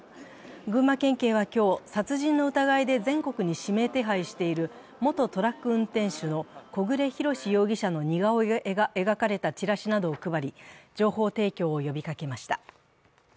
群馬県警は今日、殺人の疑いで全国に指名手配している元トラック運転手の小暮洋史容疑者の似顔絵が描かれたチラシなどを配り情報提供を呼びかけました。